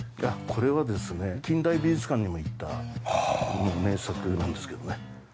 これはですね近代美術館にもいった名作なんですけどね。